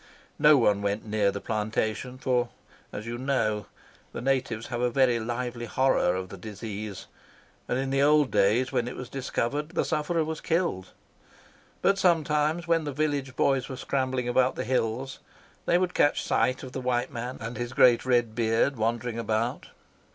No one went near the plantation, for, as you know, the natives have a very lively horror of the disease, and in the old days when it was discovered the sufferer was killed; but sometimes, when the village boys were scrambling about the hills, they would catch sight of the white man, with his great red beard, wandering about.